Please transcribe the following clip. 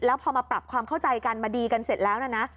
แล้วพอมาปรับความเข้าใจกันมาดีกันเสร็จแล้วนะ